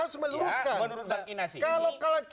saudara sebangsa saya